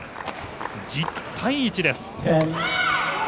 １０対１です。